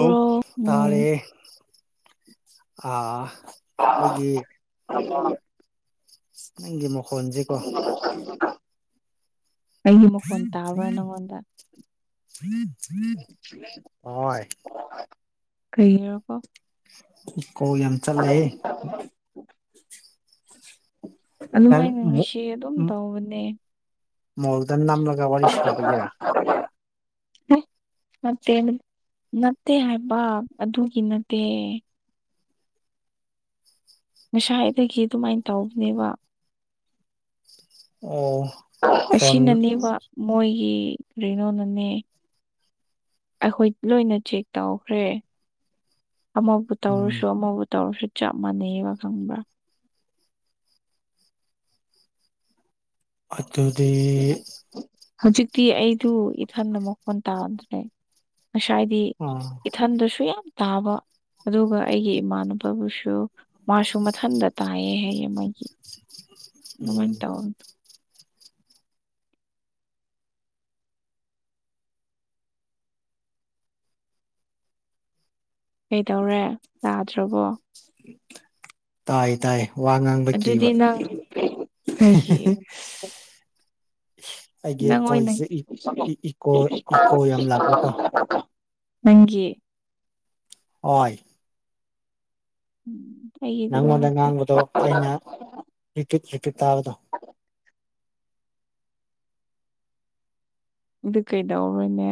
ꯑꯣ ꯎꯝ ꯇꯥꯔꯦ ꯑ ꯑꯩꯈꯣꯏꯒꯤ [unintelligible] ꯅꯪꯒꯤ ꯃꯈꯣꯟꯖꯦ ꯑꯩꯒꯤ ꯃꯈꯣꯟ ꯇꯥꯕ꯭ꯔꯥ ꯅꯪꯉꯣꯟꯗ [inaudible] ꯑꯣꯠ ꯀꯩꯔꯀꯣ ꯀꯣ ꯌꯥꯝ ꯆꯠꯂꯦ [unintelligible] ꯅꯪ ꯑꯗꯨꯃꯥꯏꯅ ꯉꯁꯤ ꯑꯗꯨꯝ ꯇꯧꯕꯅꯦ ꯃꯣꯜꯗꯅ ꯅꯝꯂꯒꯦ ꯋꯥꯔꯤ ꯁꯥꯕꯒꯤꯔꯥ [inaudible] [unintelligible] ꯅꯠꯇꯦ ꯅꯠꯇꯦ ꯍꯥꯏꯕ ꯑꯗꯨꯒꯤ ꯅꯠꯇꯦ ꯉꯁꯥꯏꯗꯒꯤ ꯑꯗꯨꯃꯥꯏꯅ ꯇꯧꯕꯅꯦꯕ ꯑꯣ ꯐꯣꯟ ꯑꯁꯤꯅꯅꯦꯕ ꯃꯣꯏꯒꯤ ꯔꯤꯅꯣꯅꯅꯦ ꯑꯩꯈꯣꯏ ꯂꯣꯏꯅ ꯆꯦꯛ ꯇꯧꯈ꯭ꯔꯦ ꯑꯃꯕꯨ ꯎꯝ ꯇꯧꯔꯁꯨ ꯑꯃꯕꯨ ꯇꯧꯔꯁꯨ ꯆꯞ ꯃꯥꯟꯅꯩꯌꯦꯕ ꯈꯪꯕ꯭ꯔꯥ꯫ ꯑꯗꯨꯗꯤ ꯍꯧꯖꯤꯛꯇꯤ ꯑꯩꯗꯨ ꯏꯊꯟꯗ ꯃꯣꯈꯣꯟ ꯇꯥꯗ꯭ꯔꯦ ꯉꯁꯥꯏꯗꯤ ꯑꯥ ꯏꯊꯟꯗꯁꯨ ꯌꯥꯝ ꯇꯥꯕ ꯑꯗꯨꯒ ꯑꯩꯒꯤ ꯏꯃꯥꯟꯅꯕꯕꯨꯁꯨ ꯃꯥꯁꯨ ꯃꯊꯟꯇ ꯇꯥꯏꯌꯦ ꯍꯥꯏꯌꯦ ꯍꯥꯏꯌꯦ ꯃꯣꯏꯒꯤ ꯑꯗꯨꯃꯥꯏ ꯎꯝ ꯇꯧꯔꯝ ꯀꯩꯗꯧꯔꯦ ꯌꯥꯗ꯭ꯔꯕꯣ? ꯇꯥꯏ ꯇꯥꯏ ꯋꯥ ꯉꯥꯡꯕ ꯑꯗꯨꯗꯤ ꯀꯤꯕ ꯅꯪ ꯀꯩꯒꯤ [unintelligible] ꯅꯪ ꯅꯪ ꯚꯣꯏꯁꯁꯦ ꯏꯀꯣ ꯏꯀꯣ ꯌꯥꯝ ꯂꯥꯛꯄꯀꯣ ꯅꯪꯒꯤ ꯍꯣꯏ ꯎꯝ ꯇꯩ ꯅꯉꯣꯟꯗ ꯉꯥꯡꯕꯗꯣ ꯑꯩꯅ ꯍꯤꯛꯀꯠ ꯍꯤꯛꯀꯠ ꯇꯥꯕꯗꯣ ꯑꯗꯨ ꯀꯩꯗꯧꯔꯣꯏꯅꯦ꯫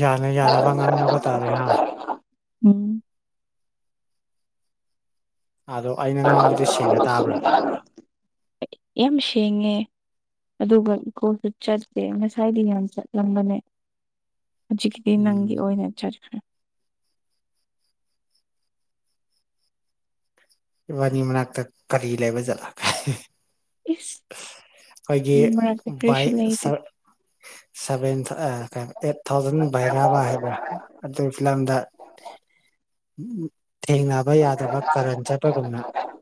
ꯌꯥꯅ ꯌꯥꯅꯕ ꯉꯥꯡꯅꯕ ꯇꯥꯔꯦ ꯍꯥ [inaudible] ꯎꯝ ꯑꯗꯣ ꯑꯩꯅ ꯉꯥꯡꯕꯗꯤ ꯁꯦꯡꯅ ꯇꯥꯕ꯭ꯔꯥ [inaudible] ꯌꯥꯝ ꯁꯦꯉꯦ ꯑꯗꯨꯒ ꯏꯀꯣꯁꯨ ꯆꯠꯇꯦ ꯉꯁꯥꯏꯗꯤ ꯌꯥꯝ ꯆꯠꯂꯝꯕꯅꯦ ꯍꯧꯖꯤꯛꯀꯤꯗꯤ ꯅꯪꯒꯤ ꯎꯝ ꯑꯣꯏꯅꯆꯠꯈ꯭ꯔꯦ ꯏꯕꯥꯅꯤ ꯃꯅꯥꯛꯇ ꯀꯔꯤ ꯂꯩꯕ ꯆꯠꯂ ꯏꯁ ꯑꯩꯈꯣꯏꯒꯤ ꯃꯔꯛꯇ ꯚꯏ ꯀꯔꯤꯁꯨ ꯂꯩꯇꯦ ꯁꯥꯔ ꯁꯚꯦꯟ ꯊ ꯀꯩꯅꯣ ꯑꯩꯠ ꯊꯥꯎꯖꯟ ꯕꯩꯔꯕ ꯍꯥꯏꯕ꯭ꯔꯥ ꯑꯗꯨ ꯐꯤꯂꯝꯗ ꯊꯦꯡꯅꯕ ꯌꯥꯗꯕ ꯀꯔꯟ ꯆꯠ ꯑꯩꯒꯨꯝꯅ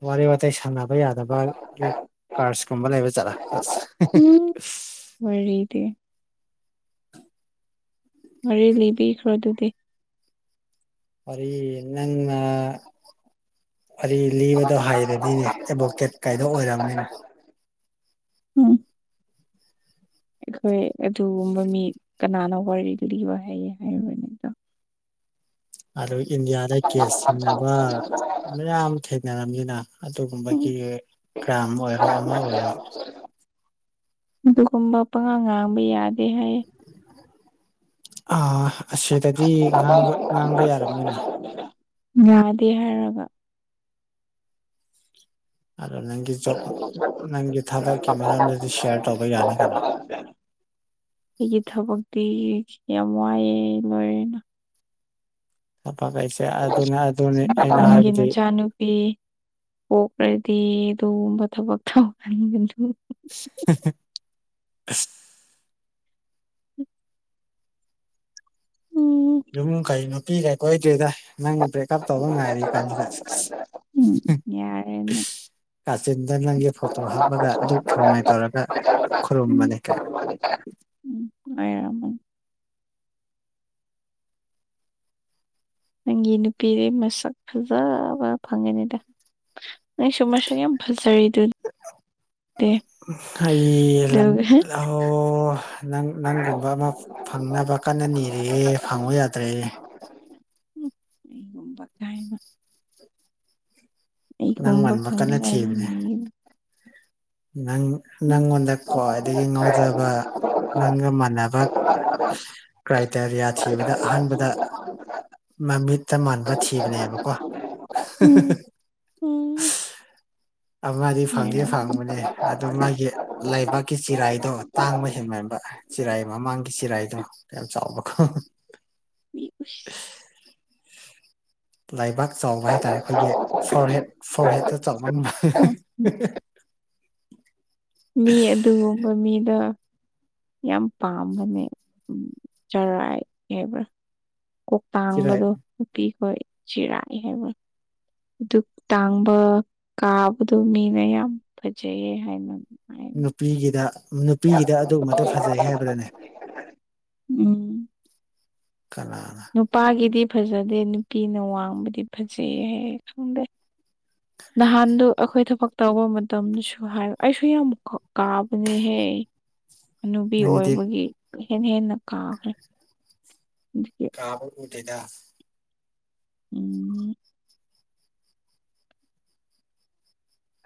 ꯋꯥꯔꯤ ꯋꯥꯇꯥꯏ ꯁꯥꯟꯅꯕ ꯌꯥꯗꯕꯒꯤ ꯀꯥꯔꯁ ꯀꯨꯝꯕ ꯂꯩꯕ ꯆꯂꯥ ꯑꯁ ꯎꯝ [unintelligible] ꯋꯥꯔꯤꯗꯤ ꯋꯥꯔꯤꯔꯤ ꯂꯤꯕꯤꯈ꯭ꯔꯣ ꯑꯗꯨꯗꯤ ꯐꯔꯤ ꯏꯟꯅ ꯋꯥꯔꯤ ꯂꯤꯕꯗꯣ ꯍꯥꯏꯔꯗꯤꯅꯦ ꯑꯦꯚꯣꯀꯦꯠ ꯀꯥꯏꯗꯣ ꯑꯣꯏꯔꯕꯅꯤꯅ ꯎꯝ ꯑꯩꯈꯣꯏ ꯑꯗꯨꯒꯨꯝꯕ ꯃꯤ ꯀꯅꯥꯅ ꯋꯥꯔꯤꯒꯕ ꯍꯥꯏꯌꯦ ꯍꯥꯏ ꯑꯗꯨ ꯏꯟꯗꯤꯌꯥꯗ ꯀꯦꯁ ꯆꯤꯡꯅꯕ ꯃꯌꯥꯝ ꯊꯦꯡꯅꯔꯝꯅꯤꯅ ꯑꯗꯨꯒꯨꯝꯕꯒꯤ ꯎꯝ ꯭ꯔꯥꯝ ꯑꯣꯏꯔꯣ ꯑꯃ ꯑꯣꯏꯔꯣ ꯑꯗꯨꯒꯨꯝꯕ ꯄꯉꯥꯡ ꯉꯥꯡꯕ ꯌꯥꯗꯦ ꯍꯥꯏꯌꯦ ꯑ ꯑꯁꯤꯗꯗꯤ ꯉꯥꯡꯕ ꯉꯥꯡꯕ ꯌꯥꯔꯕꯝꯅꯤꯅ ꯌꯥꯗꯦ ꯍꯥꯏꯔꯒ ꯑꯗꯣ ꯅꯪ ꯃꯔꯝꯗꯗꯤ ꯁꯤꯌꯥꯔ ꯇꯧꯕ ꯌꯥꯅꯤ ꯀꯩꯅꯣ [unintelligible] ꯑꯩꯒꯤ ꯊꯕꯛꯇꯤ ꯌꯥꯝ ꯋꯥꯏꯑꯦ ꯂꯣꯏꯔꯦꯅ ꯆꯐ ꯀꯥꯏꯁꯤ ꯒꯤ ꯃꯆꯥꯅꯨꯄꯤ ꯄꯣꯛꯈ꯭ꯔꯗꯤ ꯑꯗꯨꯒꯨꯝꯕ ꯊꯕꯛ ꯇꯧꯟ [unintelligible] ꯎ ꯌꯨꯝ ꯀꯩ ꯅꯨꯣꯄꯤꯤꯒꯦ ꯀꯣꯏꯗ꯭ꯔꯦꯗ ꯅꯪ ꯕ꯭ꯔꯦꯛ ꯇꯞ ꯇꯧꯕ ꯉꯥꯏꯔꯤ ꯀꯟꯁꯤꯗ ꯎꯝ [unintelligible] ꯌꯥꯔꯦꯅ ꯀꯥꯆꯤꯟꯗ ꯅꯪꯒꯤ ꯐꯣꯇꯣ ꯍꯥꯞꯄꯒ ꯗꯨꯛ ꯊꯣꯡꯉꯥꯏ ꯇꯧꯔꯒ ꯈꯔꯨꯝ ꯃꯅꯦ ꯀ ꯎꯝꯔꯝꯅꯤ ꯅꯪꯒꯤ ꯅꯨꯄꯤꯗꯩ ꯃꯁꯛ ꯐꯖꯕ ꯐꯪꯒꯅꯤꯗ ꯅ ꯁꯨꯃ ꯁꯒꯦ ꯖꯔꯤꯗꯨ [unintelligible] ꯑꯗꯨꯒ ꯅꯪ ꯅꯪꯒꯨꯝꯕ ꯑꯃ ꯐꯪꯅꯕ ꯀꯟꯅ ꯅꯤꯔꯦ ꯐꯪꯕ ꯌꯥꯗ꯭ꯔꯦꯌꯦꯦ ꯑꯩꯒꯨꯝꯕ ꯀꯥꯏꯅ ꯅꯪ ꯑꯩꯒꯨꯝꯕ ꯃꯥꯟꯕ ꯀꯟꯅ ꯊꯤꯕꯅꯦ ꯐꯪꯅꯤꯡꯉꯥꯏꯅꯤꯅ ꯅꯪ ꯅꯪꯉꯣꯟꯗ ꯈ꯭ꯋꯥꯏꯗꯒꯤ ꯉꯥꯎꯖꯕ ꯅꯪꯒ ꯃꯥꯟꯅꯕ ꯀ꯭ꯔꯥꯏꯇꯦꯔꯤꯌꯥ ꯊꯤꯕꯗ ꯑꯍꯥꯟꯕꯗ ꯃꯃꯤꯠꯇ ꯃꯥꯟꯕ ꯊꯤꯕꯅꯦꯕꯀꯣ ꯎꯝ [unintelligible] ꯎꯝ ꯑꯃꯗꯤ ꯐꯪꯗꯤ ꯂꯩꯔꯝꯃꯤ ꯐꯪꯕꯅꯦ ꯑꯗꯨ ꯃꯥꯒꯤ ꯂꯩꯕꯥꯛꯀꯤ ꯆꯤꯔꯥꯏꯗꯣ ꯇꯥꯡꯕ ꯍꯦꯟꯃꯟꯥꯟꯕ ꯆꯤꯔꯥꯏ ꯃꯃꯥꯡꯒꯤ ꯆꯤꯔꯥꯏꯗꯣ ꯌꯥꯝ ꯆꯥꯎꯕ ꯈꯣ [unintelligible] ꯂꯥꯏꯕꯥꯛ ꯆꯥꯎꯕ ꯍꯥꯏꯇꯥꯔꯦ ꯑꯩꯈꯣꯏꯒꯤ ꯐꯣꯔꯍꯦꯠ ꯐꯣꯍꯦꯠꯇꯨ ꯆꯥꯎꯃꯟꯕ ꯃꯤ ꯑꯗꯨꯒꯨꯝꯕ ꯃꯤꯗ ꯌꯥꯝ ꯄꯥꯝꯕꯅꯦ ꯆꯔꯥꯏ ꯍꯥꯏꯕ꯭ꯔꯥ ꯆꯤꯔꯥꯏ ꯀꯣꯛꯇꯥꯡꯕꯗꯣ ꯅꯨꯄꯤꯈꯣꯏ ꯆꯤꯔꯥꯏ ꯍꯥꯏꯕ ꯑꯗꯨ ꯇꯥꯡꯕ ꯀꯥꯕꯗ ꯃꯤꯅ ꯌꯥꯝ ꯐꯖꯩꯌꯦ ꯍꯥꯏꯅ ꯅꯨꯄꯤꯒꯤꯗ ꯅꯨꯄꯤꯒꯤꯗ ꯑꯗꯨꯒꯨꯝꯕꯗꯨꯣ ꯐꯖꯩ ꯍꯥꯏꯕꯗꯅꯦ ꯎꯝ ꯀꯅꯥꯅ? ꯅꯨꯄꯥꯒꯤꯗꯤ ꯐꯖꯗꯦ ꯅꯨꯄꯤꯅ ꯋꯥꯡꯕꯗꯤ ꯐꯖꯩ ꯍꯥꯏ ꯈꯪꯗꯦ ꯅꯍꯥꯟꯗꯨ ꯑꯩꯈꯣꯏ ꯊꯕꯛ ꯇꯧꯕ ꯃꯇꯝꯗꯁꯨ ꯍꯥꯏꯕꯥ ꯑꯩꯁꯨ ꯌꯥꯝ ꯀꯥꯕꯅꯦꯍꯦ ꯍꯥꯅꯨꯕꯤ ꯅꯪꯒꯤꯗꯤ ꯑꯣꯏꯕꯒꯤ ꯍꯦ ꯍꯦꯟꯅ ꯀꯥꯈ꯭ꯔꯦ ꯑꯗꯒꯤ ꯀꯥꯕ ꯎꯗꯦꯗ ꯎꯝ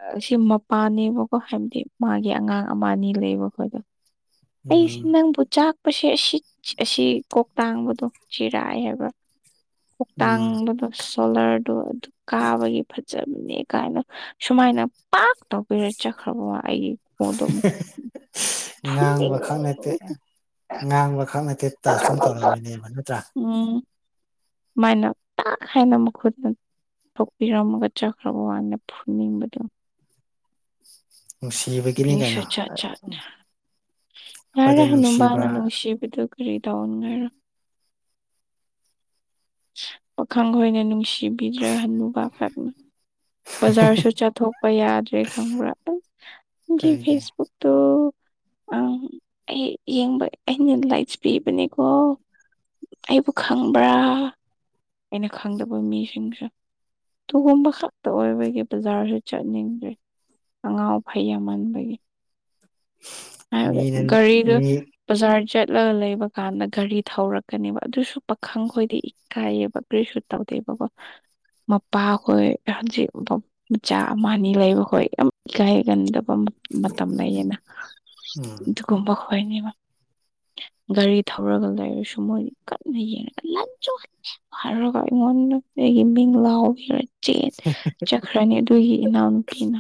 ꯑꯥꯁꯤ ꯃꯄꯥꯅꯦꯕꯀꯣ ꯍꯥꯏꯕꯗꯤ ꯃꯥꯒꯤ ꯑꯉꯥꯡ ꯑꯃ ꯑꯅꯤ ꯂꯩꯕ ꯈꯣꯏꯗꯣ ꯑꯩꯁꯦ ꯎꯝ ꯅꯪꯕꯨ ꯆꯥꯛꯄꯁꯦ ꯑꯁꯤ ꯑꯁꯤ ꯀꯣꯛꯇꯥꯡꯕꯗꯣ ꯆꯤꯔꯥꯏ ꯍꯥꯏꯕ꯭ꯔꯥ ꯎꯝ ꯀꯣꯛꯇꯥꯡꯕꯗꯣ ꯁꯣꯂ꯭ꯔꯗꯣ ꯑꯗꯨ ꯀꯥꯕꯒꯤ ꯐꯖꯕꯅꯦ ꯀꯥꯏꯅ ꯁꯨꯃꯥꯏꯅ ꯄꯥꯛ ꯇꯧꯕꯤꯔ ꯆꯠꯈ꯭ꯔꯕꯣ ꯑꯩꯒꯤ ꯈꯣꯡꯗꯣ ꯑꯃꯨꯛ [unintelligible] ꯉꯥꯡꯕ ꯐꯨꯅꯤꯡ ꯈꯛ ꯅꯠꯇꯦ ꯉꯥꯡꯕ ꯈꯛ ꯅꯠꯇꯦ ꯇꯁꯇꯨꯝ ꯇꯧꯔꯝꯃꯤꯅꯦꯕ ꯅꯠꯇ꯭ꯔꯥ ꯎꯝ ꯃꯥꯏꯅ ꯇ ꯍꯥꯏꯅ ꯃꯈꯨꯛꯨꯠꯅꯥ ꯄꯣꯛꯄꯤꯔꯝꯃꯒ ꯆꯠꯈ꯭ꯔꯕꯅ ꯐꯨꯅꯤꯡꯕꯗꯣ ꯅꯨꯡꯁꯤꯕꯒꯤꯅꯤ ꯃꯤꯁꯨ ꯀꯩꯅꯣ ꯌꯥꯔꯦ ꯑꯩꯈꯣꯏꯗ ꯅꯨꯡꯁꯤꯕ ꯑꯗꯨꯃꯥꯏꯅꯥ ꯅꯨꯡꯁꯤꯕꯗꯨ ꯀꯔꯤ ꯇꯧꯅꯤꯡꯉꯥꯏꯔꯣ ꯄꯥꯈꯪꯍꯣꯏꯅ ꯅꯨꯡꯁꯤꯕꯤꯗ꯭ꯔ ꯍꯅꯨꯕꯈꯛꯅ ꯕꯖꯥꯔꯁꯨ ꯆꯠꯊꯣꯛꯄ ꯌꯥꯗ꯭ꯔꯦ ꯈꯪꯕ꯭ꯔꯥ ꯑ ꯑꯩꯒꯤ ꯀꯔꯤꯒꯤ ꯐꯦꯁꯕꯨꯛ ꯇꯣ ꯑꯪ ꯑꯩ ꯌꯦꯡꯕ ꯑꯩꯅ ꯂꯥꯏꯀ꯭ꯁ ꯄꯤꯕꯅꯦꯀꯣ ꯑꯩꯕꯨ ꯈꯪꯕ꯭ꯔꯥ ꯑꯩꯅ ꯈꯪꯗꯕ ꯃꯤꯁꯤꯡꯁꯨ ꯇꯣꯝ ꯈꯛ ꯇ ꯑꯣꯏꯔꯕꯒꯤ ꯕꯖꯥꯔꯁꯨ ꯆꯠꯅꯤꯡꯗ꯭ꯔꯤ ꯑꯉꯥꯎ ꯑꯐꯩ ꯌꯥꯝ ꯃꯥꯟꯕꯒꯤ ꯍꯥꯏꯔꯒ ꯃꯤꯅ ꯒꯔꯤꯗꯨ ꯃꯤ ꯕꯖꯥꯔ ꯆꯠꯂꯒ ꯂꯩꯕ ꯀꯥꯟꯗ ꯒꯥꯔꯤ ꯊꯧꯔꯛꯀꯅꯦꯕ ꯑꯗꯨꯁꯨ ꯄꯥꯈꯪ ꯈꯣꯏꯗꯤ ꯏꯀꯥꯏꯌꯦꯕ ꯀꯔꯤꯁꯨ ꯇꯧꯗꯦꯕꯀꯣ ꯃꯄꯥ ꯍꯣꯏ ꯍꯧꯖꯤꯛ ꯃꯆꯥ ꯑꯃ ꯑꯅꯤ ꯂꯩꯕꯈꯣꯏ ꯌꯥꯝ ꯏꯀꯥꯏꯒꯟꯗꯕ ꯃ ꯃꯇꯝ ꯂꯩꯌꯦꯅ ꯎꯝ ꯗꯨꯒꯨꯝꯕ ꯍꯣꯏꯅꯦꯕ ꯒꯥꯔꯤ ꯊꯧꯔꯒ ꯂꯩꯔꯁꯨ ꯃꯣꯏꯗꯤ ꯀꯟꯅ ꯌꯦꯡꯉꯥ ꯂꯟꯆꯣ ꯍꯥꯏꯔꯨꯔꯒꯥ ꯑꯩꯉꯣꯟꯗꯥ ꯑꯩꯒꯤ ꯃꯤꯡ ꯂꯥꯎꯕꯤꯔꯒꯥ ꯆꯦꯟ ꯆꯛ ꯈ꯭ꯔꯅꯤ ꯑꯗꯨꯒꯤ ꯏꯅꯥꯎꯅꯨꯄꯤꯅ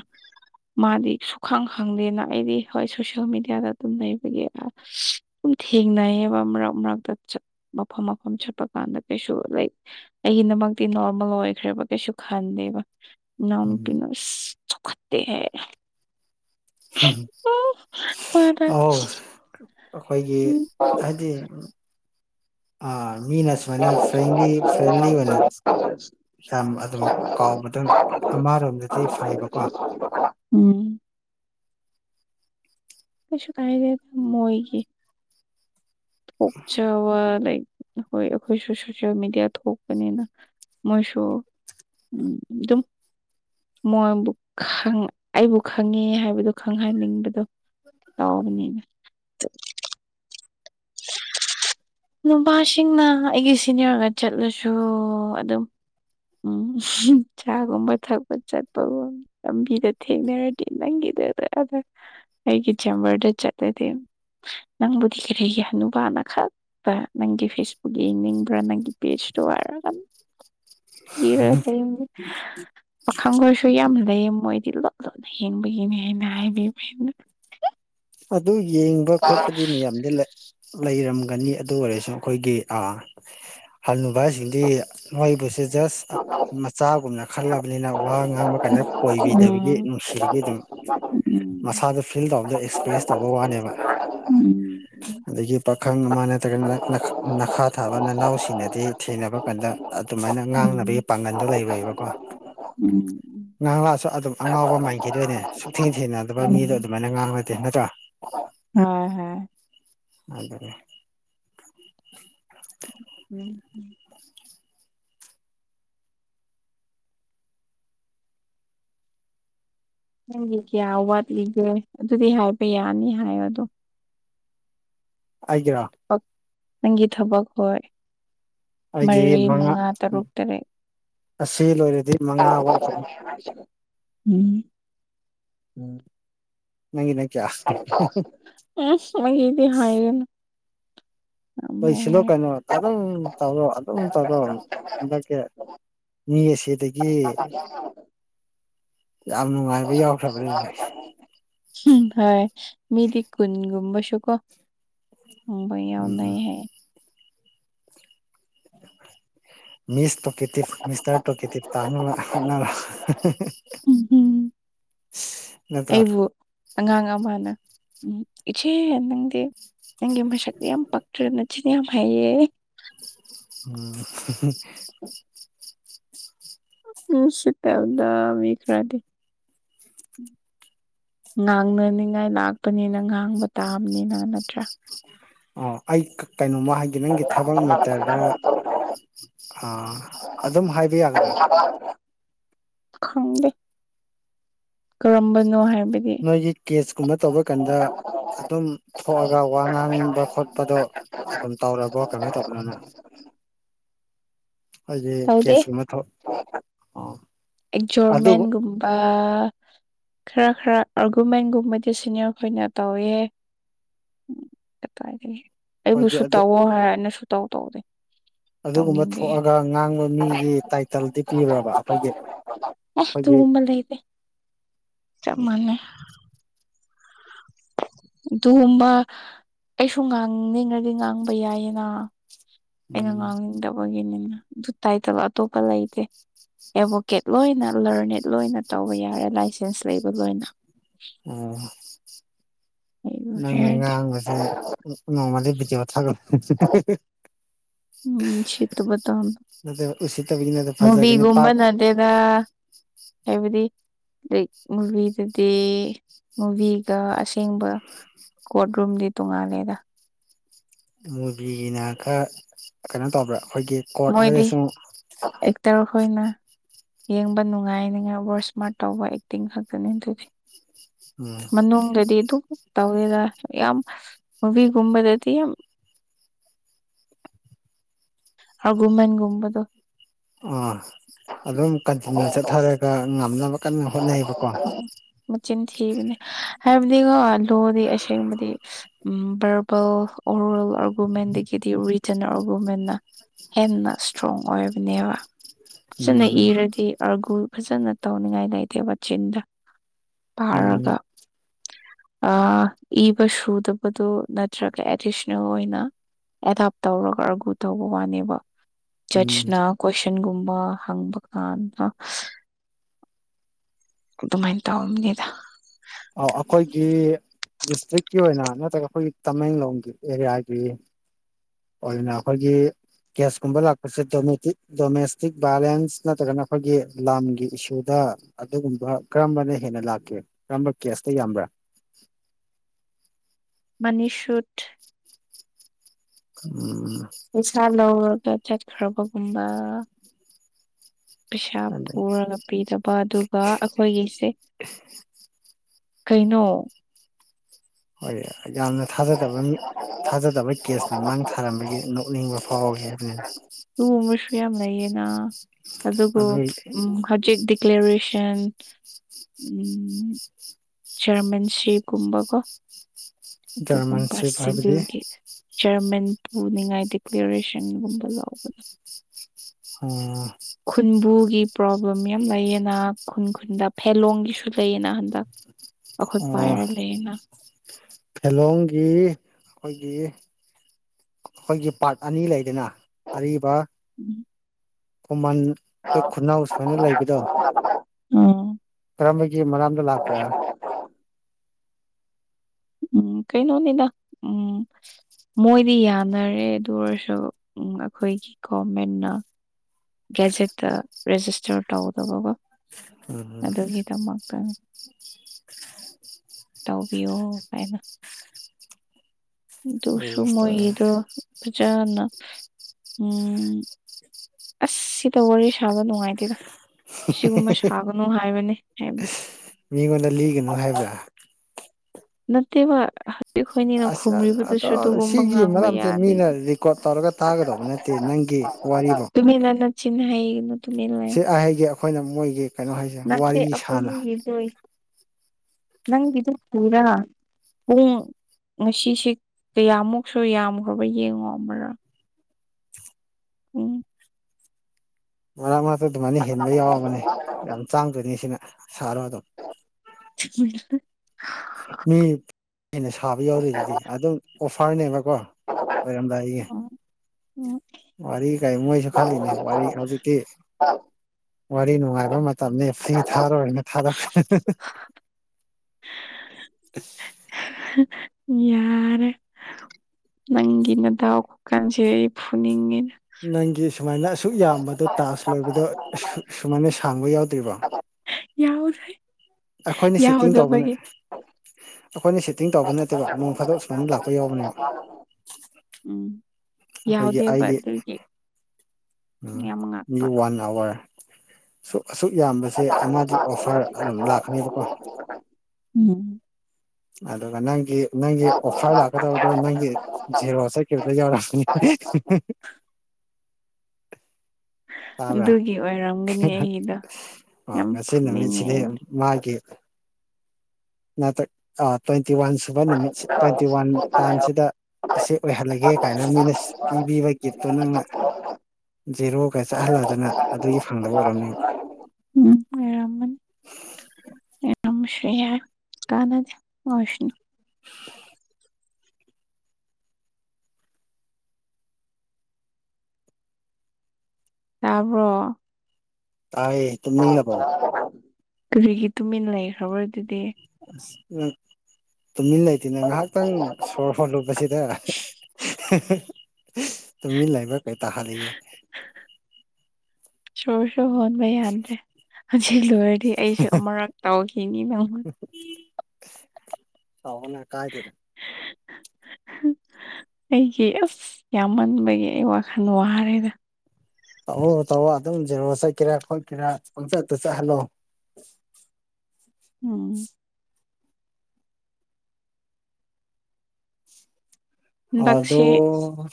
ꯃꯥꯗꯤ ꯁꯨꯈꯪ ꯈꯪꯗꯦꯅ ꯑꯩꯗꯤ ꯍꯣꯏ ꯁꯣꯁꯦꯜ ꯃꯦꯗꯤꯌꯥ ꯗꯥ ꯑꯗꯨꯝ ꯂꯩꯕꯒꯤ ꯑꯗꯨꯝ ꯇꯦꯡꯅꯩ ꯌꯦꯕꯥ ꯃꯔꯛ ꯃꯔꯛꯇꯥ ꯆꯠ ꯃꯐꯝ ꯃꯐꯝ ꯆꯠꯄ ꯀꯥꯟꯗ ꯀꯩꯁꯨ ꯂꯩ ꯑꯩꯒꯤꯗꯃꯛꯇꯤ ꯅꯣꯔꯃꯦꯜ ꯑꯣꯏꯈ꯭ꯔꯦꯕ ꯀꯩꯁꯨ ꯈꯟꯗꯦꯕ ꯏꯅꯥꯎ ꯎꯝ ꯅꯨꯄꯤꯅꯥ ꯏꯁ ꯆꯈꯠꯇꯦꯍꯦ ꯍꯨꯝ ꯍꯨꯝ ꯃꯥꯗ ꯑꯣ ꯑꯩꯈꯣꯏꯒꯤ ꯎꯝ ꯍꯥꯏꯗꯤ ꯑꯥ ꯃꯤꯅ ꯁꯨꯃꯥꯏꯅ ꯐ꯭ꯔꯦꯡꯂꯤ ꯐ꯭ꯔꯦꯟꯂꯤ ꯑꯣꯏꯅ ꯌꯥꯝ ꯑꯗꯨꯝ ꯀꯥꯎꯕꯗ ꯑꯃꯔꯣꯝꯗꯗꯤ ꯐꯩꯕꯀꯣ ꯎꯝ ꯀꯩꯁꯨ ꯀꯥꯏꯗꯦ ꯃꯣꯏꯒꯤ ꯑꯣꯛ ꯆꯥꯎ ꯍꯣꯏ ꯑꯩꯈꯣꯏꯁꯨ ꯁꯣꯁꯤꯜ ꯃꯦꯗꯤꯌꯥ ꯊꯣꯛꯄꯅꯤꯅ ꯃꯣꯏꯁꯨ ꯎꯝ ꯑꯗꯨꯝ ꯃꯣꯏꯕꯨ ꯑꯩꯕꯨ ꯈꯪꯉꯦ ꯍꯥꯏꯕꯗꯨ ꯈꯪꯍꯟꯅꯤꯡꯕꯗꯣ ꯇꯧꯕꯥꯅꯤꯅꯦ ꯅꯨꯄꯥꯁꯤꯡꯅ ꯑꯩꯒꯤ ꯁꯤꯅꯤꯌꯔꯒ ꯆꯠꯂꯁꯨ ꯑꯗꯨꯝ ꯎꯝ ꯆꯥꯒꯨꯝꯕ ꯊꯛꯄ ꯆꯠꯄ ꯕꯨ ꯂꯝꯕꯤꯗ ꯊꯦꯡꯅꯔꯗꯤ ꯅꯪꯒꯤꯗꯨꯗ꯭ꯔꯗ ꯑꯩꯒꯤ ꯆꯦꯝꯕꯔꯗ ꯆꯠꯂꯗꯤ ꯅꯪꯕꯨꯗꯤ ꯀꯔꯤꯒꯤ ꯅꯨꯄꯥꯅ ꯈꯠꯄ ꯅꯪꯒꯤ ꯐꯦꯁꯕꯨꯛ ꯌꯦꯡꯅꯤꯡꯕ꯭ꯔꯥ ꯅꯪꯒꯤ ꯄꯦꯖꯇꯣ ꯍꯥꯏꯔꯒ [unintelligible] [inaudible] ꯄꯥꯈꯪ ꯈꯣꯏꯁꯨ ꯌꯥꯝ ꯂꯩꯌꯦ ꯃꯣꯏꯗꯤ ꯂꯣꯠ ꯂꯣꯅ ꯍꯦꯟꯕꯒꯤꯅꯦ ꯍꯥꯏꯅ ꯍꯥꯏꯕꯤꯕꯅꯦ ꯑꯗꯨ ꯌꯦꯡꯕ ꯈꯣꯠꯄꯗꯤ ꯃꯌꯥꯝꯗꯤ ꯂꯩ ꯂꯩꯔꯝꯒꯅꯤ ꯑꯗꯨ ꯑꯣꯏꯔꯁꯨ ꯑꯩꯈꯣꯏꯒꯤ ꯑ ꯍꯅꯨꯕꯁꯤꯡꯗꯤ ꯃꯣꯏꯕꯨꯁꯨ ꯖꯁ ꯃꯆꯥ ꯨꯃꯨꯟꯅ ꯈꯜꯂꯕꯅꯤꯅ ꯋꯥ ꯉꯥꯡꯕ ꯀꯥꯟꯗ ꯀꯣꯏꯕꯤꯗꯕꯒꯤ ꯎꯝ ꯅꯨꯡꯁꯤꯕꯒꯤ ꯑꯗꯨꯝ ꯎꯝ ꯃꯁꯥꯗ ꯐꯤꯜ ꯇꯧꯕꯗ ꯑꯦꯛꯁꯄ꯭ꯔꯦꯁ ꯇꯧꯕ ꯋꯥꯅꯦꯕ ꯎꯝ ꯑꯗꯒꯤ ꯄꯥꯈꯪ ꯑꯃ ꯅꯠꯇ꯭ꯔꯒ ꯅ ꯅꯈꯥ ꯊꯥꯕ ꯅꯅꯥꯎꯁꯤꯡꯅꯗꯤ ꯊꯦꯡꯅꯕ ꯀꯥꯟꯗ ꯑꯗꯨꯃꯥꯏꯅ ꯎꯝ ꯉꯥꯡꯅꯕꯒꯤ ꯄꯥꯡꯒꯜꯗꯣ ꯂꯩꯔꯣꯏꯕꯀꯣ ꯎꯝ ꯉꯥꯡꯂꯛꯑꯁꯨ ꯑꯗꯨꯝ ꯑꯉꯥꯎꯕ ꯃꯥꯟꯈꯤꯗꯣꯏꯅꯦ ꯁꯨꯛꯊꯦꯡ ꯊꯦꯡꯅꯗꯕ ꯃꯤꯗꯣ ꯎꯝ ꯑꯗꯨꯃꯥꯏꯅ ꯉꯥꯡꯂ ꯊꯦ ꯅꯠꯇ꯭ꯔꯥ ꯍꯣꯢ ꯍꯣꯢ ꯍꯥꯏꯔꯦ [inaudible] ꯎꯝ ꯅꯪꯒꯤ ꯀꯌꯥ ꯑꯋꯥꯠꯂꯤꯒꯦ ꯑꯗꯨꯗꯤ ꯍꯥꯏꯕ ꯌꯥꯅꯤ ꯍꯥꯏꯌꯣ ꯑꯗꯣ ꯑꯩꯒꯤꯔꯣ ꯅꯪꯒꯤ ꯊꯕꯛ ꯍꯣꯏ ꯃꯔꯤ ꯃꯉꯥ ꯇꯔꯨꯛ ꯇꯔꯦꯠ ꯑꯁꯤ ꯂꯣꯏꯔꯗꯤ ꯑ ꯃꯉꯥ ꯋꯥꯠꯈꯤꯅꯤ [inaudible] ꯎꯝ ꯎꯝ ꯅꯪꯒꯤꯅ ꯀꯌꯥ ꯑꯩꯒꯤꯗꯤ ꯍꯥꯏꯒꯅꯨ ꯌꯥꯝ ꯂꯣꯏꯁꯤꯜꯂꯣ ꯂꯩꯔꯦ ꯀꯩꯅꯣ ꯑꯗꯨꯝ ꯇꯧꯔꯣ ꯑꯗꯨꯝ ꯇꯧꯔꯣ ꯍꯟꯗꯛꯀꯤ ꯃꯤ ꯑꯁꯤꯗꯒꯤ ꯌꯥꯝ ꯅꯨꯡꯉꯥꯢ [inaudible] ꯍꯝ ꯍꯣꯏ ꯃꯤꯗꯤ ꯀꯨꯟꯒꯨꯝꯕꯁꯨ ꯀꯣ ꯈꯪꯕ ꯎꯝ ꯎꯝ ꯌꯥꯎꯅꯩ ꯍꯦ ꯃꯤꯁ ꯄꯣꯀꯦꯇꯤꯞ ꯃꯤꯁꯇꯔ ꯇꯣꯛꯀꯦꯇꯤꯞ ꯇꯥꯅꯕ ꯍꯣꯠꯅꯔꯣ ꯎꯝ ꯅꯠꯇ꯭ꯔ ꯑꯩꯕꯨ ꯑꯉꯥꯡ ꯑꯃꯅ ꯎꯝ ꯏꯆꯦ ꯅꯪꯗꯤ ꯅꯪꯒꯤ ꯃꯁꯛꯇꯤ ꯌꯥꯝ ꯄꯛꯇ꯭ꯔꯦ ꯅꯆꯤꯟ ꯌꯥꯝ ꯍꯩꯌꯦ ꯎꯝ ꯒ ꯎꯝ ꯁꯤꯠꯇꯕꯗ ꯃꯤ ꯈꯔꯗꯤ ꯉꯥꯡꯅꯅꯤꯡꯉꯥꯏ ꯂꯥꯛꯄꯅꯤꯅ ꯉꯥꯡꯕ ꯇꯥꯕꯅꯤꯅ ꯅꯠꯇ꯭ꯔꯥ ꯑꯣ ꯑꯩ ꯀꯩꯅꯣꯃꯥ ꯍꯥꯏꯒꯦ ꯅꯪꯒꯤ ꯊꯕꯛ ꯃꯦꯇꯔꯗ ꯑꯥ ꯑꯗꯨꯝ ꯍꯥꯏꯕꯤ ꯌꯥꯒ ꯍꯤ ꯈꯪꯗꯦ ꯀꯔꯝꯕꯅꯣ ꯍꯥꯏ ꯅꯣꯏꯒꯤ ꯀꯦꯁꯀꯨꯝꯕ ꯇꯧꯕ ꯀꯥꯟꯗ ꯑꯗꯨꯝ ꯊꯣꯛꯑꯒ ꯋꯥ ꯉꯥꯡꯕ ꯈꯣꯠꯄꯗꯣ ꯑꯗꯨꯝ ꯇꯥꯎꯔꯕꯣ ꯀꯃꯥꯏ ꯇꯧꯕꯅꯣ ꯅꯪ ꯑꯩꯈꯣꯏꯒꯤ ꯇꯧꯗꯦ ꯀꯦꯁꯀꯨꯝꯕ ꯊꯣꯛ ꯑꯣ ꯑꯦ ꯑꯗꯨ ꯖꯣꯔꯃꯦꯟꯒꯨꯝꯕ ꯈꯔ ꯈꯔ ꯑꯥꯔꯒꯨꯃꯦꯟꯒꯨꯝꯕꯗꯤ ꯁꯤꯅꯤꯌꯔ ꯈꯣꯏꯅ ꯇꯧꯋꯦ ꯎꯝ ꯀꯗꯥꯏꯗꯒꯤ ꯑꯩꯈꯣꯏꯒꯤ ꯑꯩꯕꯨꯁꯨ ꯑꯗꯨ ꯇꯧꯋꯣ ꯍꯥꯏꯔ ꯁꯨꯡꯇꯧ ꯇꯧꯗꯦ ꯑꯗꯨꯒꯨꯝꯕ ꯇꯧꯅꯤꯡꯗꯦ ꯊꯣꯛꯑꯒ ꯉꯥꯡꯕ ꯃꯤꯒꯤ ꯇꯥꯏꯇꯜꯗꯤ ꯄꯤꯔꯨꯔꯕ ꯑꯩꯈꯣꯏꯒꯤ ꯑꯦ ꯑꯩꯈꯣꯏꯒꯤ ꯇꯨꯒꯨꯝꯕ ꯂꯩꯗꯦ ꯆꯞ ꯃꯥꯟꯅꯩ ꯑꯗꯨꯒꯨꯝꯕ ꯑꯩꯁꯨ ꯉꯥꯡꯅꯤꯡꯔꯗꯤ ꯉꯥꯡꯕ ꯌꯥꯏꯌꯦꯅ ꯑꯩꯅ ꯎꯝ ꯉꯥꯡꯅꯤꯡꯗꯕꯒꯤꯅꯤꯅ ꯑꯗꯨ ꯇꯥꯏꯇꯂꯣ ꯑꯇꯣꯞꯄ ꯂꯩꯇꯦ ꯑꯦꯚꯣꯀꯦꯠ ꯂꯣꯏꯅ ꯂꯔꯅꯦꯠ ꯂꯣꯏꯅ ꯇꯧꯕ ꯌꯥꯔꯦ ꯂꯥꯏꯁꯦꯟꯁ ꯂꯩꯕ ꯂꯣꯏꯅ ꯑꯣ ꯑꯩꯕꯨ ꯅꯪ ꯃꯒꯥ ꯍꯥꯏꯔꯗꯤ ꯍꯥꯡꯕꯁꯦ ꯅꯣꯡꯃꯗꯤ ꯕꯤꯗꯑꯣ ꯊꯒꯠꯂꯨ ꯎꯝ ꯁꯤꯠꯇꯨꯕ ꯇꯥꯝ ꯅꯠꯇ ꯎꯁꯤꯠꯇꯕꯒꯤ ꯅꯠꯇ ꯐꯖꯒꯅꯤ ꯄꯥꯛ ꯅꯠꯇꯦꯗ ꯍꯥꯏꯕꯗꯤ ꯂꯥꯏꯛ ꯃꯨꯚꯤꯗꯗꯤ ꯃꯨꯚꯤꯒ ꯑꯁꯦꯡꯕ ꯀꯣꯔꯠ ꯔꯨꯝꯗꯤ ꯇꯣꯡꯉꯥꯜꯂꯦꯗ ꯃꯨꯚꯒꯤꯅ ꯈꯔ ꯀꯩꯅꯣ ꯇꯧꯕ꯭ꯔꯥ ꯑꯩꯈꯣꯏꯒꯤ ꯀꯣꯔꯠ ꯃꯣꯏꯗꯤ ꯍꯥꯏꯔꯁꯨ ꯑꯦꯛꯇꯔ ꯍꯣꯏꯅ ꯌꯦꯡꯕ ꯅꯨꯡꯉꯥꯏꯅꯤꯉꯥꯏ ꯋꯔꯁ ꯃꯥꯥꯔꯠ ꯇꯧꯕ ꯑꯦꯛꯇꯤꯡ ꯈꯛꯇꯅꯦ ꯑꯗꯨꯗꯤꯩ ꯎꯝ ꯃꯅꯨꯡꯗꯗꯤ ꯑꯗꯨ ꯇꯧꯋꯦꯗ ꯌꯥꯝ ꯃꯨꯕꯤꯒꯨꯝꯕꯗꯗꯤ ꯌꯥꯝ ꯍꯒꯨꯝꯃꯦꯟꯒꯨꯝꯝꯕꯗꯨ ꯑꯥ ꯑꯗꯨꯝ ꯀꯟꯇꯤꯅ꯭ꯌꯨ ꯆꯠꯊꯔꯒ ꯉꯝꯅꯕ ꯀꯟꯅ ꯍꯣꯠꯅꯩꯌꯦꯕꯀꯣ ꯃꯆꯤꯟ ꯊꯤꯕꯅꯦ ꯍꯥꯏꯕꯗꯤꯀꯣ ꯂꯣꯗꯤ ꯑꯁꯦꯡꯕꯗꯤ ꯎꯝ ꯕꯔꯕꯜ ꯑꯣꯔꯨꯔꯦꯜ ꯑꯥꯔꯒꯨꯃꯦꯟꯗꯒꯤꯗꯤ ꯔꯤꯖꯟ ꯑꯥꯔꯒꯨꯃꯦꯟꯅ ꯍꯦꯟꯅ ꯏꯁꯇ꯭ꯔꯣꯡ ꯑꯣꯏꯕꯅꯦꯕ ꯐꯖꯅ ꯎꯝ ꯏꯔꯗꯤ ꯑꯥꯒꯨꯜ ꯐꯖꯅ ꯇꯧꯅꯤꯉꯥꯏ ꯂꯩꯇꯦ ꯋꯥꯆꯤꯟꯗ ꯎꯝ ꯄꯥꯔꯒ ꯑ ꯏꯕ ꯁꯨꯗꯕꯗꯣ ꯅꯠꯇ꯭ꯔꯒ ꯑꯦꯗꯤꯁꯅꯦꯜ ꯑꯣꯏꯅ ꯑꯦꯗꯥꯞ ꯇꯧꯔꯒ ꯑꯥꯒ ꯇꯧꯕ ꯋꯥꯅꯦꯕ ꯎꯝ ꯖꯠꯁꯅ ꯀꯣꯏꯁꯟꯒꯨꯝꯕ ꯍꯪꯕ ꯀꯥꯟꯗ ꯑꯗꯨꯃꯥꯏꯅ ꯇꯧꯔꯝꯒꯗ ꯑ ꯑꯩꯈꯣꯏꯒꯤ ꯗꯤꯁꯇ꯭ꯔꯤꯛꯀꯤ ꯑꯣꯏꯅ ꯅꯠꯇ꯭ꯔꯒ ꯑꯩꯈꯣꯏꯒꯤ ꯇꯃꯦꯡꯂꯣꯡꯒꯤ ꯑꯦꯔꯤꯌꯥꯒꯤ ꯑꯣꯏꯅ ꯑꯩꯈꯣꯏꯒꯤ ꯁ ꯀꯨꯝꯕ ꯂꯥꯛꯄꯁꯦ ꯗꯣꯃꯦꯇꯤꯛ ꯗꯣꯃꯦꯁꯇꯤꯛ ꯚꯥꯏꯂꯦꯟꯁ ꯅꯠꯇ꯭ꯔꯒꯅ ꯑꯩꯈꯣꯏꯒꯤ ꯂꯝꯒꯤ ꯏꯁꯨꯗ ꯑꯗꯨꯒꯨꯝꯕ ꯀꯔꯝꯕꯅ ꯍꯦꯟꯅ ꯂꯥꯛꯀꯦ ꯀꯔꯝꯕ ꯀꯦꯁꯇ ꯌꯥꯝꯕ꯭ꯔꯥ ꯃꯅꯤ ꯁꯨꯠ ꯎꯝ ꯄꯩꯁꯥ ꯂꯧꯔꯒ ꯆꯠꯈ꯭ꯔꯕꯒꯨꯝꯕ ꯄꯩꯁꯥ ꯑꯗꯩ ꯄꯨꯔꯒ ꯄꯤꯗꯕ ꯑꯗꯨ ꯑꯩꯈꯣꯏꯒꯤꯁꯦ ꯀꯩꯅꯣ ꯍꯣꯏ ꯌꯥꯝꯅ ꯊꯥꯖꯗꯕ ꯃꯤ ꯊꯥꯖꯗꯕ ꯀꯦꯁꯅ ꯃꯥꯡ ꯊꯥꯔꯝꯕꯒꯤ ꯅꯣꯛꯅꯤꯡꯕ ꯐꯥꯎꯋꯤ ꯍꯥꯏꯕꯅꯤꯗ ꯂꯨꯍꯣꯡꯕꯁꯨ ꯌꯥꯝ ꯂꯩꯌꯦꯅ ꯑꯗꯨꯒ ꯑꯗꯨꯒꯤ ꯎꯝ ꯍꯧꯖꯤꯛꯗꯤꯛ ꯀ꯭ꯂꯦꯔꯦꯁꯟ ꯎꯝ ꯆ꯭ꯔꯃꯟꯁꯤꯀꯨꯝꯕꯀꯣ ꯑꯇꯨꯒꯨꯝꯕ ꯖꯔꯃꯟꯁꯤꯞ ꯍꯥꯏꯕꯗꯤ ꯁꯤꯕꯤꯜꯒꯤ ꯆ꯭ꯔꯃꯦꯟ ꯄꯨꯅꯤꯡꯉꯥꯏꯗꯤ ꯗꯤꯀ꯭ꯂꯦꯔꯦꯁꯟꯒꯨꯝꯕ ꯂꯥꯎꯕꯗꯣ ꯑꯣ ꯈꯨꯟꯕꯨꯒꯤ ꯄ꯭ꯔꯣꯕ꯭ꯂꯦꯝ ꯌꯥꯝ ꯂꯩꯌꯦꯅ ꯈꯨꯟ ꯈꯨꯟꯗ ꯐꯦꯂꯣꯡꯒꯤꯁꯨ ꯂꯩꯌꯦꯅ ꯍꯟꯗꯛ ꯑꯩꯈꯣꯏ ꯑꯣ ꯄꯥꯏꯔ ꯂꯩꯌꯦꯅ ꯐꯤꯂꯣꯡꯒꯤ ꯑꯩꯈꯣꯏꯒꯤ ꯑꯩꯈꯣꯏꯒꯤ ꯄꯥꯔꯠ ꯑꯅꯤ ꯂꯩꯗꯅ ꯑꯔꯤꯕ ꯎꯝ ꯀꯃꯟꯗ ꯈꯨꯔꯅꯥꯎ ꯁꯨꯃꯥꯏꯅ ꯂꯩꯕꯗꯣ ꯎꯝ ꯀꯔꯝꯕꯒꯤ ꯃꯔꯝꯗ ꯂꯥꯛꯄ꯭ꯔꯥ ꯎꯝ ꯀꯩꯩꯅꯣꯅꯤꯗ ꯎꯝ ꯃꯣꯏꯗꯤ ꯌꯥꯅꯔꯦ ꯑꯗꯨ ꯑꯣꯏꯔꯁꯨ ꯎꯝ ꯑꯩꯈꯣꯏꯒꯤ ꯒꯣꯃꯦꯟꯅ ꯒꯦꯖꯦꯠꯇ ꯔꯦꯖꯤꯁꯇ꯭ꯔ ꯇꯧꯒꯗꯕꯀꯣ ꯑꯗꯨꯒꯤꯗꯃꯛꯇ ꯎ [inaudible] ꯇꯧꯕꯤꯌꯣ ꯀꯥꯏꯅ ꯑꯗꯨꯁꯨ ꯔꯦꯖꯤꯁꯇꯔ ꯃꯣꯏꯒꯤꯗꯣ ꯐꯖꯅ ꯎꯝ ꯑꯁ ꯁꯤꯗ ꯋꯥꯔꯤ ꯁꯥꯕ ꯅꯨꯡꯉꯥꯏꯇꯦꯗ ꯁꯤꯒꯨꯝꯕ ꯁꯥꯒꯅꯨ ꯍꯥꯏꯕꯅꯤ ꯃꯤꯉꯣꯟꯗ ꯂꯤꯒꯅꯨ ꯍꯥꯏꯕ꯭ꯔꯥ ꯅꯠꯇꯦꯕ ꯑꯩꯈꯣꯏꯅꯤꯅ ꯑꯁ ꯑꯗꯣ ꯈꯨꯝꯔꯤꯕꯗꯨꯁꯨ ꯑꯗꯨꯒꯨꯝꯕ ꯁꯤꯒꯤ ꯉꯥꯡꯕ ꯃꯔꯝꯁꯦ ꯌꯥꯗꯦ ꯃꯤꯅ ꯔꯦꯀꯣꯔꯠ ꯇꯧꯔꯒ ꯇꯥꯒꯗꯧꯕ ꯅꯠꯇꯦ ꯅꯪꯒꯤ ꯋꯥꯔꯤꯕꯣ ꯇꯃꯤꯃꯤꯟꯅ ꯅꯆꯤꯟ ꯍꯥꯏꯒꯅꯨ ꯇꯨꯃꯤꯟ ꯂꯩꯌꯨ ꯁꯤ ꯑꯩꯒꯤ ꯑꯩꯈꯣꯏꯅ ꯃꯣꯏꯒꯤ ꯀꯩꯅꯣ ꯍꯥꯏꯁꯦ ꯅꯠꯇꯦ ꯋꯥꯔꯤ ꯁꯥꯅ ꯑꯩꯈꯣꯏꯅꯤꯒꯤ ꯂꯣꯏ ꯅꯪꯒꯤꯗꯨ ꯄꯨꯔ ꯄꯨꯡ ꯉꯁꯤꯁꯦ ꯀꯌꯥꯃꯨꯛꯁꯨ ꯌꯥꯝꯒ꯭ꯔꯕ ꯌꯦꯡꯉꯣ ꯑꯃꯔꯛ ꯎꯝ ꯃꯔꯛ ꯃꯔꯛꯇ ꯑꯗꯨꯃꯥꯏꯅ ꯍꯦꯟꯕ ꯌꯥꯎꯕꯅꯤ ꯌꯥꯝ ꯆꯥꯡꯗꯣꯏꯅꯤ ꯁꯤꯅ ꯁꯥꯔꯣ ꯑꯗꯨꯝ [unintelligible] ꯃꯤꯅ ꯁꯥꯕ ꯌꯥꯎꯔꯤꯖꯤꯗꯤ ꯑꯗꯨꯝ ꯑꯣꯐ꯭ꯔꯅꯦꯕ ꯀꯣ ꯑꯣꯏꯔꯝꯗꯥꯏꯒꯤ ꯋꯥꯔꯤ ꯀꯥꯏ ꯃꯣꯏꯁꯨ ꯈꯜꯂꯤꯅꯦ ꯋꯥꯔꯤ ꯍꯧꯖꯤꯛꯇꯤ ꯋꯥꯔꯤ ꯅꯨꯡꯉꯥꯏꯕ ꯃꯇꯝꯅꯤ ꯐ꯭ꯔꯤ ꯊꯥꯔꯣꯏꯅ ꯊꯥꯗꯣꯛꯄ [unintelligible] [inaudible] ꯌꯥꯔꯦ ꯅꯪꯒꯤ ꯅꯗꯥꯎ ꯈꯨꯀꯥꯟꯁꯦ ꯑꯩ ꯐꯨꯅꯤꯡꯉꯤꯗ ꯅꯪꯒꯤ ꯁꯨꯃꯥꯏꯅ ꯑꯁꯨꯛ ꯌꯥꯝꯕꯗꯣ ꯇꯥꯛꯁ ꯂꯣꯏꯕꯗꯣ ꯁꯨꯃꯥꯏꯅ ꯁꯥꯡꯕ ꯌꯥꯎꯗ꯭ꯔꯤꯕꯣ ꯌꯥꯎꯗꯦ ꯑꯩꯈꯣꯏꯅ ꯁꯦꯠꯇꯤꯡ ꯇꯧꯕꯅꯦ ꯑꯩꯈꯣꯏꯅ ꯁꯦꯠꯇꯤꯡ ꯇꯧꯕ ꯅꯠꯇꯦꯕ ꯅꯣꯡ ꯐꯥꯗꯣꯛ ꯁꯨꯃꯥꯏꯅ ꯂꯥꯛꯄ ꯌꯥꯎꯕꯅꯦꯕ ꯎꯝ ꯑꯩꯈꯣꯏꯒꯤ ꯌꯥꯎꯗꯦꯕ ꯗꯨꯒꯤ ꯎꯝ ꯕ꯭ꯌꯨ ꯋꯥꯟ ꯑꯋ꯭ꯔ ꯑꯁꯨꯛ ꯑꯁꯨꯛ ꯌꯥꯝꯕ ꯎꯝ ꯑꯗꯨꯒ ꯅꯪꯒꯤ ꯅꯪꯒꯤ ꯑꯣꯐ꯭ꯔ ꯂꯥꯛꯀꯗꯕꯗꯣ ꯅꯪꯒꯤ ꯖꯦꯔꯣ ꯆꯠꯈꯤꯕꯗ ꯌꯥꯎꯔꯝꯅꯤ ꯇꯥꯕ꯭ꯔꯥ ꯑꯗꯨꯒꯤ ꯑꯣꯏꯔꯝꯒꯅꯤ ꯑꯩꯒꯤꯗꯣ ꯑꯣ ꯌꯥꯝ ꯉꯁꯤ ꯐꯨꯅꯤꯡꯉꯦ ꯅꯨꯃꯤꯠꯁꯤꯗꯤ ꯑꯩ ꯃꯥꯒꯤ ꯅꯥꯇꯛ ꯑ ꯇ꯭ꯋꯦꯟꯇꯤ ꯋꯥꯟ ꯁꯨꯕ ꯅꯨꯃꯤꯠ ꯇ꯭ꯋꯦꯟꯇꯤ ꯋꯥꯟ ꯇꯥꯏꯝꯁꯤꯗ ꯑꯁꯦ ꯑꯣꯏꯍꯜꯂꯒꯦ ꯀꯥꯏꯅ ꯃꯤꯅ ꯄꯤꯕꯤꯕ ꯒꯤꯞꯇꯣ ꯅꯪꯅ ꯖꯦꯔꯣ ꯆꯥꯠꯍꯜꯂꯗꯅ ꯑꯗꯨꯒꯤ ꯐꯪꯗꯕ ꯑꯣꯏꯔꯝꯅꯦꯕ ꯎꯝ ꯑꯣꯏꯔꯝꯃꯅꯤ ꯑꯣꯏꯔꯝꯕꯁꯨ ꯌꯥꯏ ꯀꯅꯗꯦ ꯋꯥꯁꯅꯨ ꯇꯥꯕꯣꯔ ꯇꯥꯏꯑꯦ ꯇꯨꯝꯅꯥꯡꯉꯕꯣ ꯀꯔꯤꯒꯤ ꯇꯨꯃꯤꯟ ꯂꯩꯈ꯭ꯔꯕ꯭ꯔ ꯑꯗꯨꯗꯤ ꯑꯁ ꯎꯝ ꯇꯨꯃꯤꯟ ꯂꯩꯇꯦꯅ ꯉꯥꯏꯍꯥꯛꯇꯪ ꯍꯣꯔ ꯍꯣꯂꯨꯕꯁꯤꯗ ꯇꯨꯃꯤꯟ ꯂꯩꯕ ꯀꯩ ꯇꯥꯍꯜꯂꯤꯒꯦ ꯁꯣꯔꯁꯨ ꯍꯣꯟꯕ ꯌꯥꯗ꯭ꯔꯦ ꯍꯧꯖꯤꯛ ꯂꯣꯏ ꯗꯤ ꯑꯩꯁꯨ ꯑꯃꯔꯛ ꯇꯧꯈꯤꯅꯤ ꯅꯪ ꯁꯥꯎꯒꯅꯣ ꯀꯥꯏꯗꯦꯗ [unintelligible] ꯑꯩꯒꯤ ꯑꯁ ꯌꯥꯝꯃꯟꯕꯒꯤ ꯑꯩ ꯋꯥꯈꯜ ꯋꯥꯔꯦꯗ ꯇꯧꯑꯣ ꯇꯧꯑꯣ ꯑꯗꯨꯝ ꯖꯦꯔꯤ ꯆꯠꯀꯦꯔꯥ ꯈꯣꯠꯀꯦꯔꯥ ꯄꯪꯆꯠꯇ ꯆꯠꯍꯜꯂꯣ ꯑꯝ ꯍꯟꯗꯛꯁꯤ ꯑꯗꯣ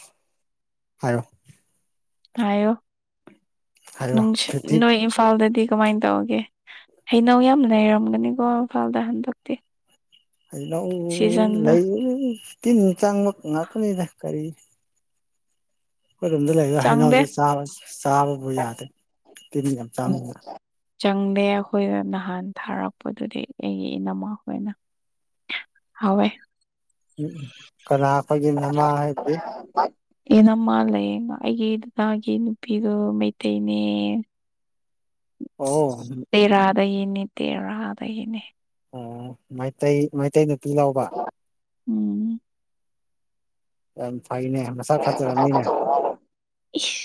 ꯍꯥꯏꯔꯣ ꯍꯥꯏꯌꯣ ꯍꯥꯏꯔꯣ ꯅꯨꯡꯁꯤꯠ ꯐꯤꯐꯇꯤ ꯅꯣꯏ ꯏꯝꯐꯥꯜꯗꯗꯤ ꯀꯃꯥꯏꯅ ꯇꯧꯒꯦ ꯍꯩꯅꯧ ꯌꯥꯝꯅ ꯂꯩꯔꯝꯒꯅꯤꯀꯣ ꯏꯝꯐꯥꯜꯗ ꯍꯟꯗꯛꯇꯤ ꯂꯩꯅꯧ ꯁꯤꯖꯟꯗꯣ ꯂꯩꯕꯅꯤ ꯇꯤꯟ ꯆꯥꯡꯕ ꯉꯥꯛꯇꯅꯤꯗ ꯀꯔꯤ ꯑꯩꯈꯣꯏꯔꯣꯝꯗ ꯂꯩꯕ ꯆꯪꯗꯦ ꯍꯩꯅꯎꯗꯤ ꯆꯥ ꯆꯥꯕꯕꯨ ꯌꯥꯗꯦ ꯇꯤ ꯌꯥꯝ ꯆꯥꯡꯗꯅ ꯆꯪꯗꯦ ꯑꯩꯈꯣꯏꯗ ꯅꯍꯥꯟ ꯊꯥꯔꯛꯄꯗꯨꯗꯤ ꯑꯩꯒꯤ ꯏꯅꯝꯃꯥꯈꯣꯏꯅ ꯍꯥꯎꯋꯦ ꯎꯝ ꯀꯅꯥ ꯈꯣꯏꯒꯤ ꯅꯃꯥ ꯍꯥꯏꯕꯗꯤ ꯏꯅꯝꯃꯥ ꯂꯩꯌꯦ ꯑꯩꯒꯤ ꯗꯗꯥꯒꯤ ꯅꯨꯄꯤꯗꯣ ꯃꯩꯇꯩꯅꯦ ꯑꯣ ꯇꯦꯔꯥꯗꯒꯤꯅꯦ ꯇꯦꯔꯥꯗꯒꯤꯅꯦ ꯑꯣ ꯃꯩꯇꯩ ꯃꯩꯇꯩ ꯅꯨꯄꯤ ꯂꯥꯎꯕ ꯎꯝ ꯌꯥꯝ ꯐꯩꯅꯦ ꯃꯁꯥꯛ ꯐꯖꯔꯝꯅꯤꯅꯦ ꯏꯁ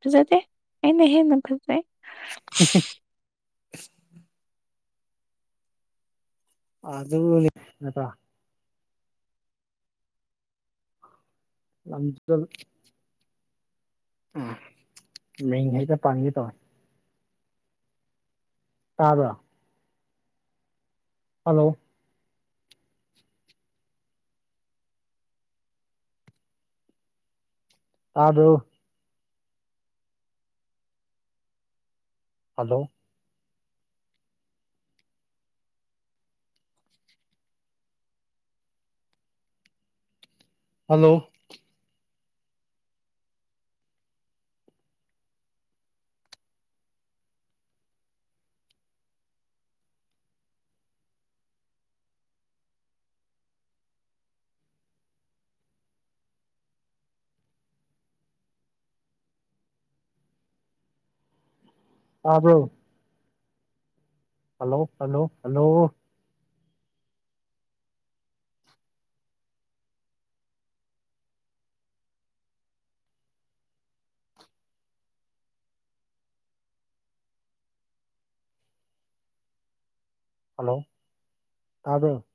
ꯐꯖꯗꯦ ꯑꯩꯅ ꯍꯦꯟꯅ ꯐꯖꯩ [unintelligible] [unintelligible] ꯅꯠꯇꯔ ꯂꯝ [unintelligible] ꯑꯝ ꯍꯥꯏꯛꯇ ꯄꯥꯟꯒꯤ ꯇꯧ ꯇꯥꯕ꯭ꯔ ꯍꯜꯂꯣ ꯇꯥꯗ꯭ꯔꯣ ꯍꯜꯂꯣ ꯍꯜꯂꯣ ꯇꯥꯕꯔꯣ ꯍꯜꯂꯣ ꯍꯜꯂꯣ ꯍꯜꯂꯣ ꯍꯜꯂꯣ ꯇꯥꯕꯔꯣ